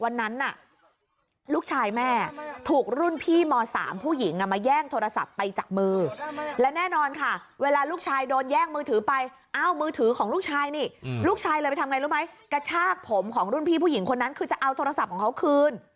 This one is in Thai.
วันนั้นน่ะลูกชายแม่ถูกรุ่นพี่ม๓ผู้หญิงมาแย่งโทรศัพท์ไปจากมือและแน่นอนค่ะเวลาลูกชายโดนแย่งมือถือไปเอ้ามือถือของลูกชายนี่ลูกชายเลยไปทำไงรู้ไหมกระชากผมของรุ่นพี่ผู้หญิงคนนั้นคือจะเอาโทรศัพท์ของเขาคืน